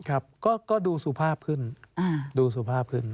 ครับก็ดูสุภาพขึ้น